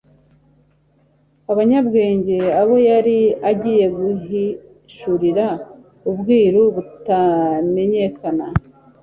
abanyabwenge abo yari agiye guhishurira ubwiru butamenyekana: